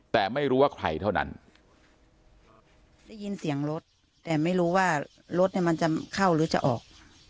แต่ไม่รู้ว่าใครเท่านั้นได้ยินเสียงรถแต่ไม่รู้ว่ารถเนี่ยมันจะเข้าหรือจะออก